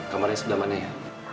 kamarnya sebelah mana ya